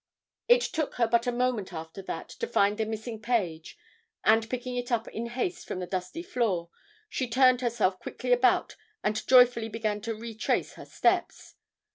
It took her but a moment after that to find the missing page, and picking it up in haste from the dusty floor, she turned herself quickly about and joyfully began to retrace her steps.